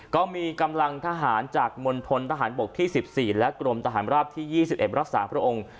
ก็มีกำลังทหารจากมณฑนทหารบกที่๑๔และกรมทหารราบที่๒๑รักษาพระองค์